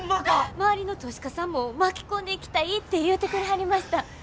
周りの投資家さんも巻き込んでいきたいって言うてくれはりました。